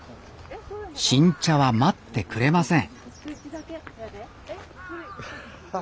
新茶は待ってくれません